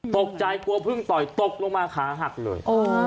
ตกใจกลัวพึ่งต่อยตกลงมาขาหักเลย